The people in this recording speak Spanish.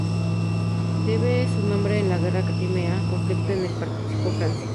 Debe su nombre a la Guerra de Crimea, conflicto en el participó Francia.